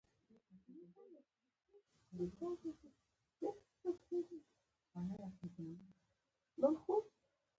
دغه اضافي او متوسطه ګټه په خپله نه راځي